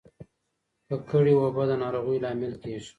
ککړې اوبه د ناروغیو لامل کیږي.